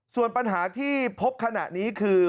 ส่วนปัญหาที่พบขณะนี้คือ